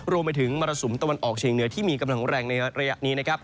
รวมไปถึงมรสุมตะวันออกเชียงเหนือที่มีกำลังแรงในระยะนี้